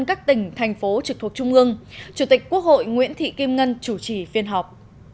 các tỉnh thành phố trực thuộc trung ương chủ tịch quốc hội nguyễn thị kim ngân chủ trì phiên họp